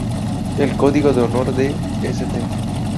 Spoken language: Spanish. El código de honor de St.